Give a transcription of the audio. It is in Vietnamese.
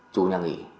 chủ nhà nghỉ